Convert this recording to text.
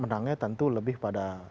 menangnya tentu lebih pada